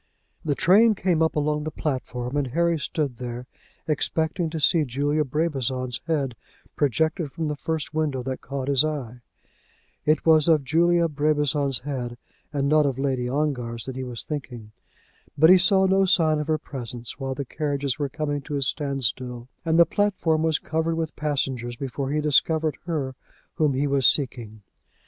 The train came up along the platform, and Harry stood there expecting to see Julia Brabazon's head projected from the first window that caught his eye. It was of Julia Brabazon's head, and not of Lady Ongar's, that he was thinking. But he saw no sign of her presence while the carriages were coming to a stand still, and the platform was covered with passengers before he discovered her whom he was seeking.